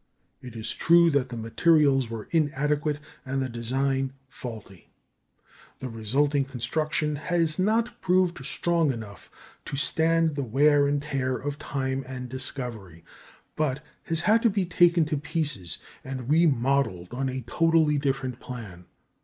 It is true that the materials were inadequate and the design faulty. The resulting construction has not proved strong enough to stand the wear and tear of time and discovery, but has had to be taken to pieces and remodelled on a totally different plan.